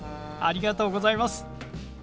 ありがとうございます。